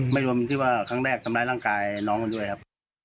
รวมที่ว่าครั้งแรกทำร้ายร่างกายน้องกันด้วยครับ